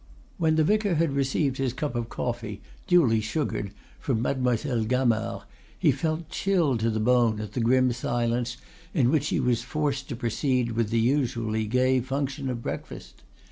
When the vicar had received his cup of coffee, duly sugared, from Mademoiselle Gamard, he felt chilled to the bone at the grim silence in which he was forced to proceed with the usually gay function of breakfast.